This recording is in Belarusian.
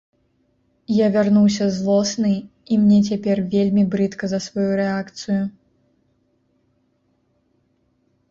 Я вярнуўся злосны, і мне цяпер вельмі брыдка за сваю рэакцыю.